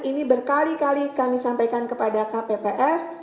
ini berkali kali kami sampaikan kepada kpps